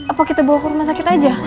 apa kita bawa ke rumah sakit aja